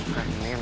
itu alex kan boy